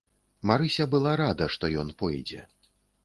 Марыся была рада, што ён пойдзе.